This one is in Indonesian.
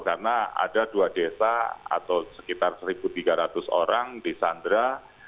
karena ada dua desa atau sekitar satu tiga ratus orang di sandera